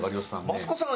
マツコさん